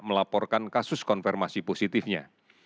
melaporkan kasus konfirmasi positifnya